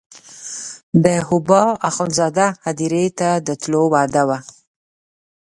د حبوا اخندزاده هدیرې ته د تلو وعده وه.